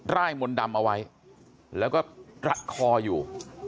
่ายมนต์ดำเอาไว้แล้วก็รัดคออยู่